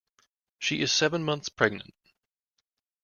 She is seven months pregnant.